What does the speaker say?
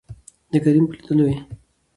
دکريم په لېدولو يې